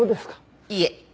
いえ。